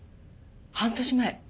半年前。